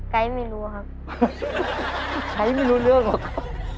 ไกล่ไม่รู้ครับไกล่ไม่รู้เรื่องหรอก